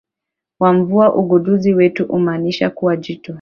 wa mvua ugunduzi wetu unamaanisha kuwa jitu